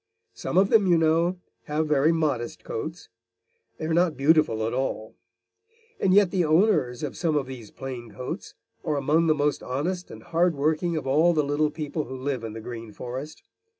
Some of them, you know, have very modest coats. They are not beautiful at all. And yet the owners of some of these plain coats are among the most honest and hard working of all the little people who live in the Green Forest.